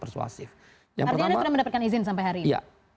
persuasif yang pertama